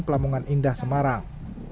pelamungan indah semarang